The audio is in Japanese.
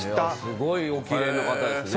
すごいおきれいな方ですね。